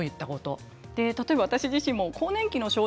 例えば私自身も更年期の症状